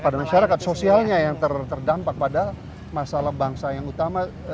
pada masyarakat sosialnya yang terdampak pada masalah bangsa yang utama